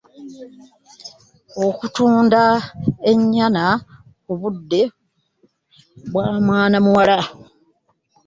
Okutunda ennyana ku bbudde mwana muwala.